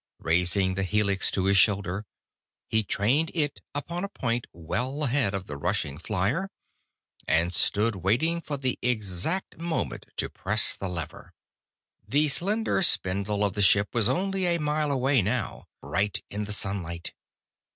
Raising the helix to his shoulder, he trained it upon a point well ahead of the rushing flier, and stood waiting for the exact moment to press the lever. The slender spindle of the ship was only a mile away now, bright in the sunlight.